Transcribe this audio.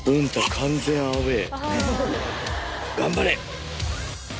頑張れ。